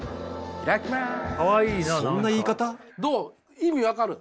意味分かる？